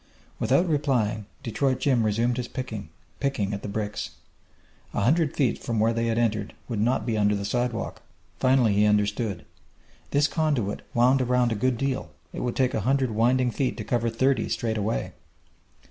Without replying Detroit Jim resumed his picking, picking, at the bricks. A hundred feet from where they had entered would not be under the sidewalk. Finally, he understood. This conduit wound around a good deal; it would take a hundred winding feet to cover thirty straightaway.